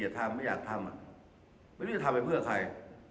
ทำไม่อยากทำไม่รู้จะทำไปเพื่อใคร